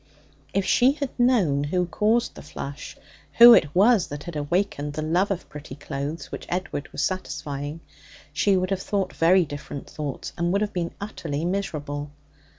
If she had known who caused the flush, who it was that had awakened the love of pretty clothes which Edward was satisfying, she would have thought very different thoughts, and would have been utterly miserable.